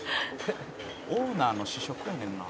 「オーナーの試食やねんな」